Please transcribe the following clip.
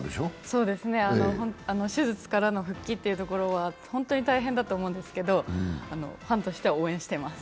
そうですね、手術からの復帰というところは本当に大変だと思いますけどファンとしては応援しています。